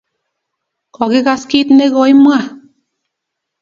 Kokigas kit ne koimwa